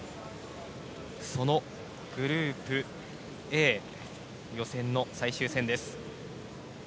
そのグループＡ予選の最終戦です。